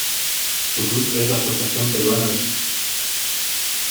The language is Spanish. Su club es la Asociación Peruana de Esquí.